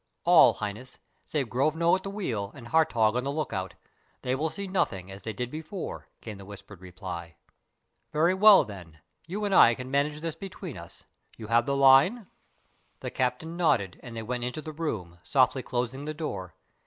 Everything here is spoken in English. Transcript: "All, Highness, save Grovno at the wheel and Hartog on the look out. They will see nothing, as they did before," came the whispered reply. "Very well, then. You and I can manage this between us. You have the line?" The captain nodded, and they went into the room, softly closing the door.